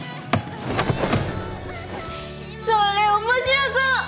それ面白そう！